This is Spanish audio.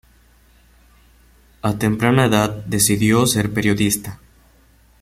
A temprana edad decidió ser periodista.